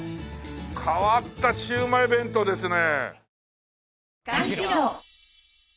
変わったシウマイ弁当ですね。